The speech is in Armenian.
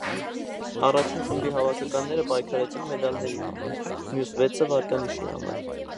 Առաջին խմբի հավաքականները պայքարեցին մեդալների համար, մյուս վեցը վարկանիշի համար։